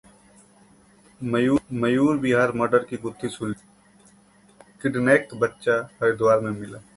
मयूर Vihar murder की गुत्थी सुलझी, किडनैक बच्चा हरिद्वार में मिला